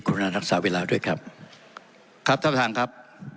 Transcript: คุณนักศึกษาเวลาด้วยครับครับท่านครับ